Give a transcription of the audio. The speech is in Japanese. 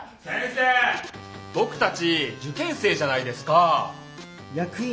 先生僕たち受験生じゃないですかぁ。